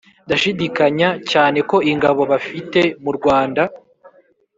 ndashidikanya cyane ko ingabo bafite [mu rwanda]